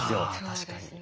確かに。